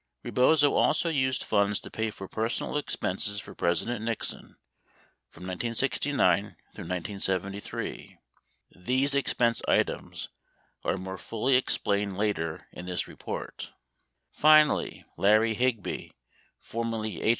4 Rebozo also used funds to pay for personal expenses for President Nixon from 1969 through 1973. These expense items are more fully explained later in this report. Finally, Larry Higby, formerly H.